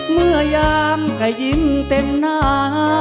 เมื่อยามก็ยิ้มเต็มหน้า